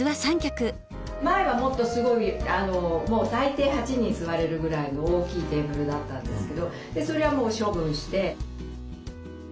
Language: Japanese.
前はもっとすごいもう最低８人座れるぐらいの大きいテーブルだったんですけどそれはもう処分して。